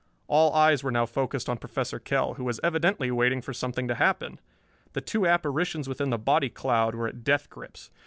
All eyes were now focused on Professor Kell, who was evidently waiting for something to happen. The two apparitions within the body cloud were at death grips.